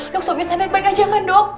dok suami saya baik baik aja kan dok